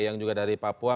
yang juga dari papua